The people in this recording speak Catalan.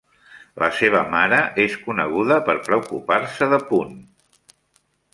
La seva mare és coneguda per preocupar-se de Poon.